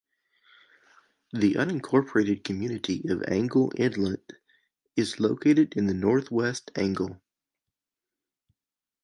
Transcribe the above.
The unincorporated community of Angle Inlet is located in the Northwest Angle.